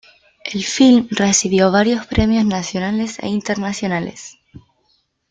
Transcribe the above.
El film recibió varios premios nacionales e internacionales.